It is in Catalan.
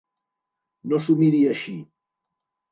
No s’ho miri així.